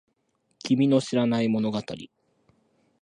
君の知らない物語